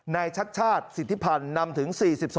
ชัดชาติสิทธิพันธ์นำถึง๔๒